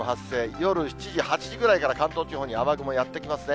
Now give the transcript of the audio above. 夜７時、８時ぐらいから、関東地方に雨雲やって来ますね。